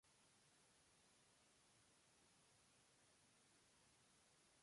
Kaj finfinfine ni devis trovi eldonejon.